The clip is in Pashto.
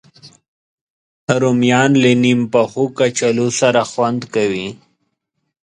رومیان له نیم پخو کچالو سره خوند کوي